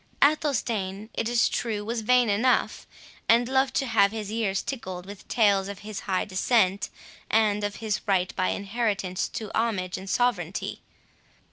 Athelstane, it is true, was vain enough, and loved to have his ears tickled with tales of his high descent, and of his right by inheritance to homage and sovereignty.